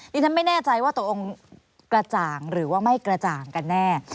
ดิฉันไม่แน่ใจว่าตกลงกระจ่างหรือว่าไม่กระจ่างกันแน่